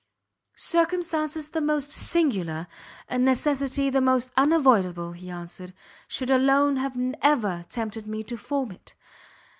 "Circumstances the most singular, and necessity the most unavoidable," he answered, "should alone have ever tempted me to form it.